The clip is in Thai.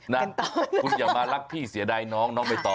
นั่นคุณอย่ามารักพี่เสียดายน้องน้องไปต่อ